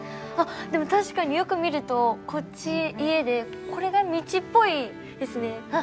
あでも確かによく見るとこっち家でこれが道っぽいですね。